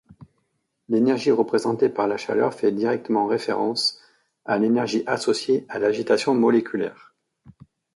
L’énergie représentée par la chaleur fait directement référence à l’énergie associée à l’agitation moléculaire.